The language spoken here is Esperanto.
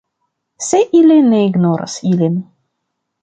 Se ili ne ignoras ilin.